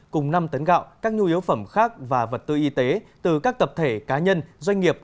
cùng năm tấn gạo các nhu yếu phẩm khác và vật tư y tế từ các tập thể cá nhân doanh nghiệp